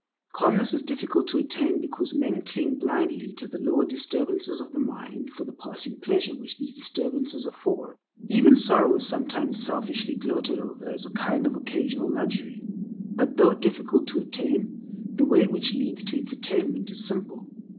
Calmness is difficult to attain because men cling blindly to the lower disturbances of the mind for the passing pleasure which these disturbances afford. Even sorrow is sometimes selfishly gloated over as a kind of occasional luxury. But though difficult to attain, the way which leads to its attainment is simple.